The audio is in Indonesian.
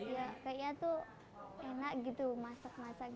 ya kaya ia enak masak masak